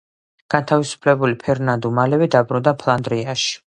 განთავისუფლებული ფერნანდუ მალევე დაბრუნდა ფლანდრიაში.